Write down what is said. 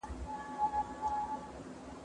زه هره ورځ پاکوالي ساتم!!